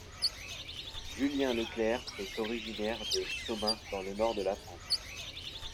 Julien Leclercq est originaire de Somain dans le Nord de la France.